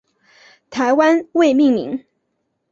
台湾未命名。